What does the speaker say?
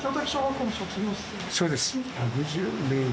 そうです。